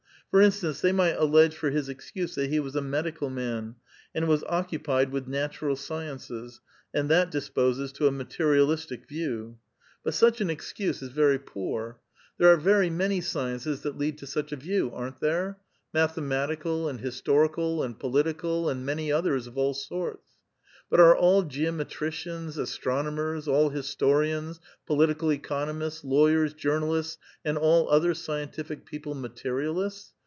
For instance, tliey might allege for his excuse that he was a med ical man, and was occupied with natural sciences, and that disposes to a materialistic view. But such an ex.<^\x^^ \&^^\^ 94 .1 VITAL QUESTION. )MH)r. There arc very many sciences that lead to such a view, iiivift there? — mathematical, and historical, and political, and many others, of all sorts. But are all geometricians, as tronomers, all historians, i)olitical economists, lawyers, jour nalists, and all other seientitic people, materialists?